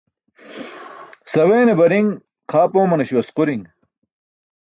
Saweene bari̇ṅ xaap oomanaśo asquri̇ṅ.